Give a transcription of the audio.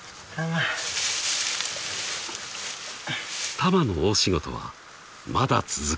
［タマの大仕事はまだ続く］